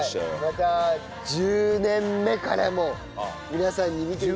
また１０年目からも皆さんに見て頂けるよう。